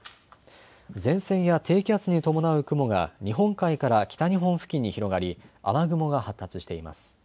前線や低気圧に伴う雲が日本海から北日本付近に広がり雨雲が発達しています。